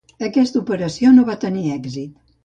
Aquesta operació no va tenir èxit.